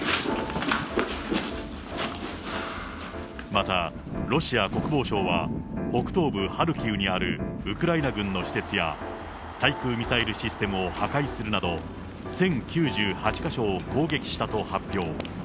また、ロシア国防省は北東部ハルキウにあるウクライナ軍の施設や対空ミサイルシステムを破壊するなど、１０９８か所を攻撃したと発表。